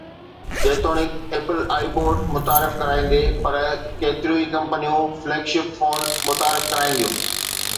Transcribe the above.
جيتوڻيڪ Apple iPod متعارف ڪرائيندي پر ڪيتريون ئي ڪمپنيون فليگ شپ فون متعارف ڪرائينديون